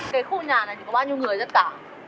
cái khu nhà này thì có bao nhiêu người rất cả